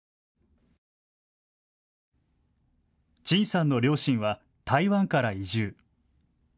陳さんの両親は台湾から移住。